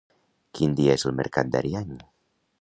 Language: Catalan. Quin dia és el mercat d'Ariany?